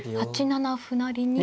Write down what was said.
８七歩成に。